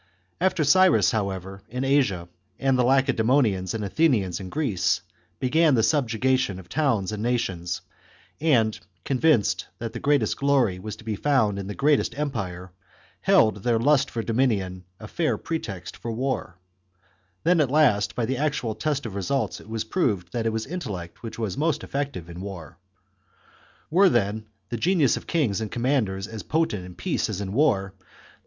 After Cyrus, however, in Asia, and the Lacedaemonians and Athenians in Greece, began the subjugation of towns and nations, and, conr vinced that the greatest glory was to be found in the greatest empire, held their lust for dominion a fair pretext for war, then at last, by the actual test of results it was proved that it was intellect which was most effective in war. Were then the genius of kings and commanders as potent in peace as in war, there